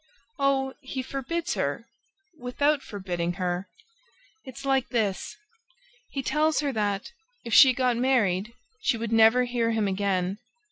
"Oh, he forbids her ... without forbidding her. It's like this: he tells her that, if she got married, she would never hear him again.